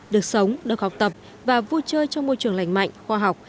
được sống được học tập và vui chơi trong môi trường lành mạnh khoa học